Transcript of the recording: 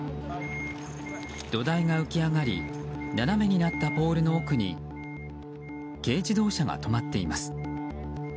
土台が浮き上がり斜めになったポールの奥に軽自動車が止まっています。